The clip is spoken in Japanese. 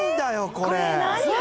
これ。